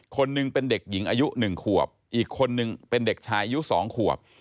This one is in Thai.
คนหนึ่งเป็นเด็กหญิงอายุ๑ขวบอีกคนนึงเป็นเด็กชายอายุ๒ขวบ